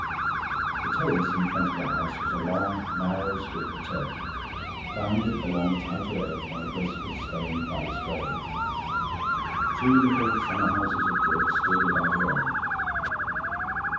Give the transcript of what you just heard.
The terrace in front of the house was a long narrow strip of turf, bounded along its outer edge by a graceful stone balustrade. Two little summer houses of brick stood at either end.